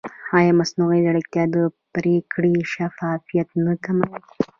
ایا مصنوعي ځیرکتیا د پرېکړې شفافیت نه کموي؟